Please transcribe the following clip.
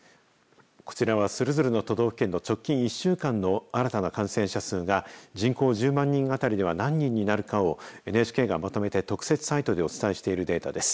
こちらはそれぞれの都道府県の直近１週間の新たな感染者数が人口１０万人あたりでは何人になるかをＮＨＫがまとめて特設サイトでお伝えしているデータです。